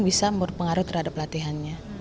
bisa berpengaruh terhadap latihannya